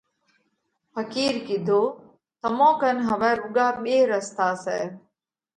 ڦقِير ڪِيڌو: تمون ڪنَ هوَئہ رُوڳا ٻي رستا سئہ۔